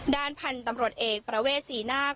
ด้านพันธุ์ตำรวจเอกประเวทศรีนาค